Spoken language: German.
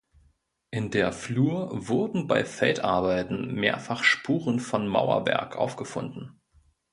In der Flur wurden bei Feldarbeiten mehrfach Spuren von Mauerwerk aufgefunden.